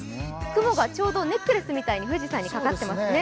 雲がちょうどネックレスみたいに富士山にかかっていますね。